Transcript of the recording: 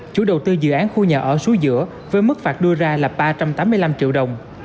chủ đầu tư dự án khu nhà ở suối giữa với mức phạt đưa ra là ba trăm tám mươi năm triệu đồng